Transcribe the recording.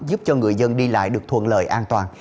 giúp cho người dân đi lại được thuận lợi an toàn